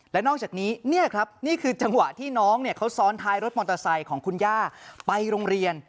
และนอกจากนี้เนี่ยครับนี่คือจังหวะที่น้องเขาซ้อนท้ายรถมอเตอร์ไซค์ของคุณย่าไปโรงเรียน